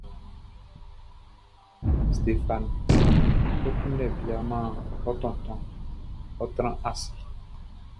Stéphane, kɔ kunndɛ bia man ɔ tontonʼn; ɔ́ trán ase.